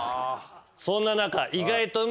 そんな中。